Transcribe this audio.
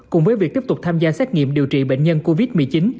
cùng với việc tiếp tục tham gia xét nghiệm điều trị bệnh nhân covid một mươi chín